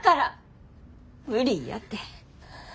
無理やて。